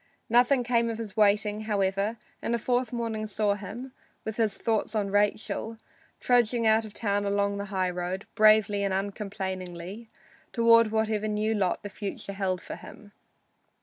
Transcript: Nothing came of his waiting, however, and the fourth morning saw him, with his thoughts on Rachel, trudging out of town along the highroad, bravely and uncomplainingly, toward whatever new lot the future held for him.